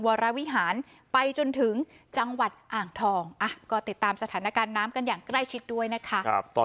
วรวิหารไปจนถึงจังหวัดอ่างทองก็ติดตามสถานการณ์น้ำกันอย่างใกล้ชิดด้วยนะคะ